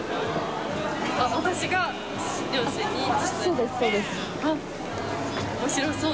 そうですそうです。